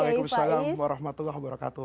waalaikumsalam warahmatullahi wabarakatuh